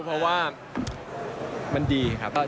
เพราะว่ามันดีครับ